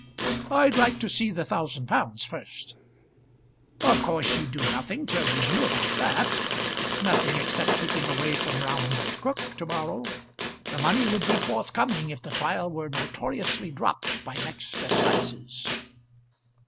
"I'd like to see the thousand pounds first." "Of course you'd do nothing till you knew about that; nothing except keeping away from Round and Crook to morrow. The money would be forthcoming if the trial were notoriously dropped by next assizes."